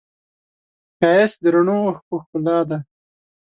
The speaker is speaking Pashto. ښایست د رڼو اوښکو ښکلا ده